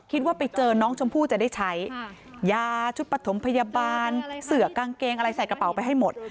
คิดว่าไปเจอน้องชมพู่จะได้ใช้ยาชุดปฐมพยาบาลเสือกางเกงอะไรใส่กระเป๋าไปให้หมด